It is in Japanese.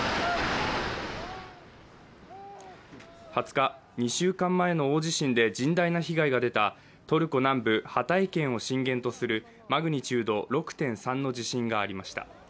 ２０日、２週前の大地震で甚大な被害が出たトルコ南部ハタイ県を震源とするマグニチュード６．３の地震がありました。